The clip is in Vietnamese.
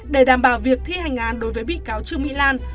để đảm bảo việc thi hành án đối với bị cáo trương mỹ lan